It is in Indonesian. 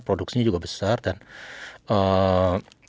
produk produk yang besar dan sebagainya